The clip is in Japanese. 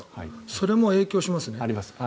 それも影響しますね。